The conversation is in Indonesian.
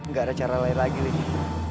gak ada cara lain lagi lini